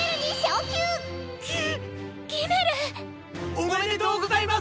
おめでとうございます！